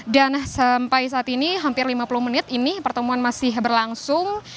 dan sampai saat ini hampir lima puluh menit ini pertemuan masih berlangsung